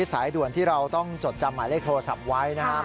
สายด่วนที่เราต้องจดจำหมายเลขโทรศัพท์ไว้นะครับ